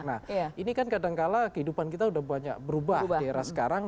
nah ini kan kadangkala kehidupan kita sudah banyak berubah di era sekarang